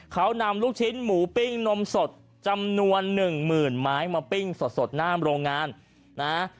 เขานำลูกชิ้นหมูปิ้งนมสดจำนวนหนึ่งหมื่นไม้มาปิ้งสดหน้าโรงงานนะ